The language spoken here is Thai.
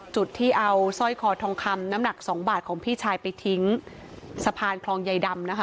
จุดที่เอาสร้อยคอทองคำน้ำหนักสองบาทของพี่ชายไปทิ้งสะพานคลองใยดำนะคะ